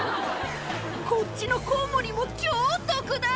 こっちのコウモリも超特大！